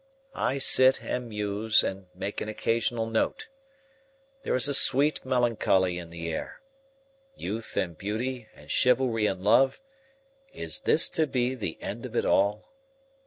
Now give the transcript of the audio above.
I sit and muse and make an occasional note. There is a sweet melancholy in the air. Youth and beauty and chivalry and love is this to be the end of it all?